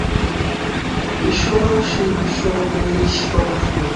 ঈশ্বরও সেই বিশ্বরূপেই প্রকট হন।